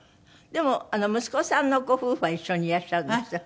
でも息子さんのご夫婦は一緒にいらっしゃるんですって？